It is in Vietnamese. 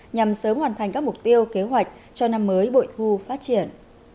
nhằm sớm hoàn thành các mục tiêu kế hoạch cho năm mới bội thu phát triển